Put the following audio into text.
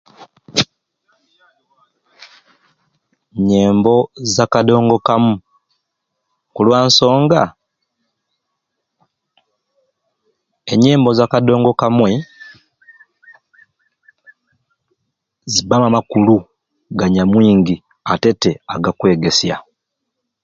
Nyembo za kadongo kamu kulwa nsonga enyembo za kadongo kamwei zibbaamu amakulu ganyamwingi ate tte agakwegeesya.